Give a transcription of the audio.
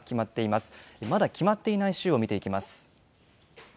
まだ決まっていない州を見ていきます。